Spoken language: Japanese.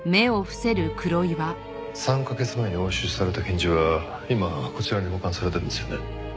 ３カ月前に押収された拳銃は今こちらに保管されてるんですよね？